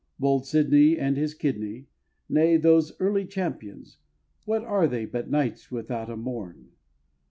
Bold Sidney, and his kidney nay, Those "early champions" what are they But "Knights without a morn"?